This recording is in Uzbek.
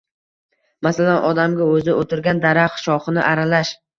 Masalan, odamga o‘zi o‘tirgan daraxt shoxini arralash